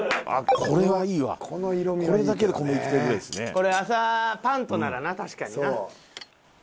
これ朝パンとならな確かにな。